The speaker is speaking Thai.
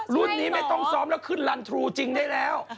รุ่นนี้ไม่ต้องซ้อมแล้วขึ้นลันทรูจริงได้แล้ว